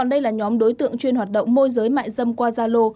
và đây là nhóm đối tượng chuyên hoạt động môi giới mạng dâm qua zalo